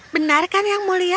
benarkan yang mulia